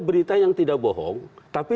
berita yang tidak bohong tapi